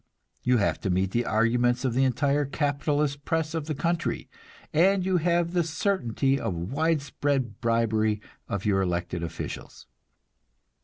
You have to meet the arguments of the entire capitalist press of the country, and you have the certainty of widespread bribery of your elected officials.